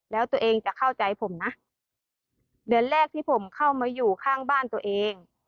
แล้วตัวเองจะเข้าใจผมนะเดือนแรกที่ผมเข้ามาอยู่ข้างบ้านตัวเอง